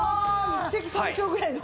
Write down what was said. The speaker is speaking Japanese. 一石三鳥ぐらいの。